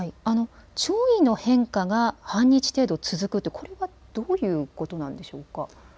潮位の変化が半日程度続くというのは、これはどういうことなんでしょうか。